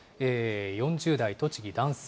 ４０代、栃木、男性。